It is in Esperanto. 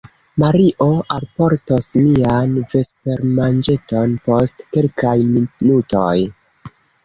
Mario alportos mian vespermanĝeton post kelkaj minutoj.